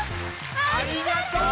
ありがとう！